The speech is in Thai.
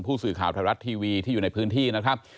ผู้สื่อข่าวไทยรัฐทีวีที่อยู่ในพื้นที่นะครับ